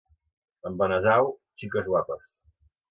En Benasau, xiques guapes.